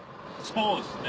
そうですね。